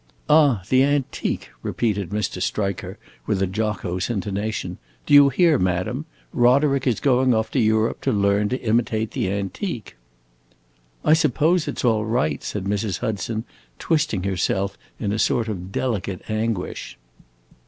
"Ah, the antique," repeated Mr. Striker, with a jocose intonation. "Do you hear, madam? Roderick is going off to Europe to learn to imitate the antique." "I suppose it 's all right," said Mrs. Hudson, twisting herself in a sort of delicate anguish.